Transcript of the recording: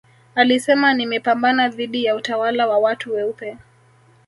alisema nimepambana dhidi ya utawala wa watu weupe